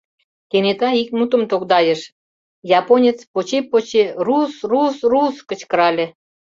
Кенета ик мутым тогдайыш: японец поче-поче «рус! рус! рус!» кычкырале.